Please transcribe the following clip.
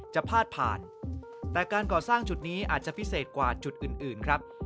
พาดผ่านแต่การก่อสร้างจุดนี้อาจจะพิเศษกว่าจุดอื่นครับ